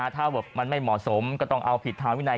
ถ้ามันไม่เหมาะสมก็ต้องเอาผิดทางวินัย